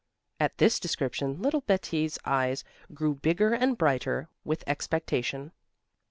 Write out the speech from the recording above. At this description little Betti's eyes grew bigger and brighter with expectation.